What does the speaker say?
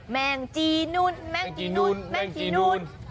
แมงจีนูนแมงจีนูนแมงจีนูน